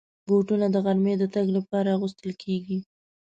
بوټونه د غرمې د تګ لپاره اغوستل کېږي.